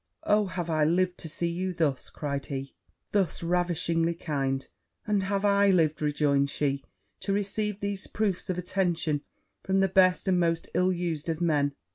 'Oh, have I lived to see you thus!' cried he, 'thus ravishingly kind!' 'And have I lived,' rejoined she, 'to receive these proofs of affection from the best and most ill used of men!